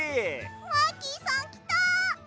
マーキーさんきた！